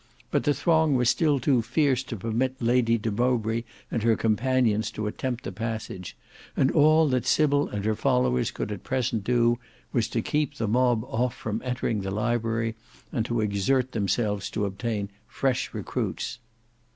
But the throng was still too fierce to permit Lady de Mowbray and her companions to attempt the passage, and all that Sybil and her followers could at present do, was to keep the mob off from entering the library, and to exert themselves to obtain fresh recruits.